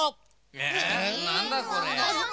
えなんだこれ？